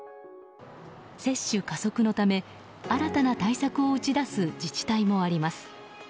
接種加速のため、新たな対策を打ち出す自治体もあります。